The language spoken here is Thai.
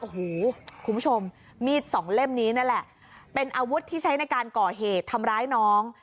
โอ้โหคุณผู้ชมมีดสองเล่มนี้นั่นแหละเป็นอาวุธที่ใช้ในการก่อเหตุทำร้ายน้อง